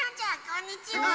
こんにちは。